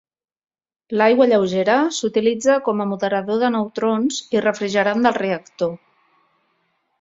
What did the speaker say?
L'aigua lleugera s'utilitza com a moderador de neutrons i refrigerant del reactor.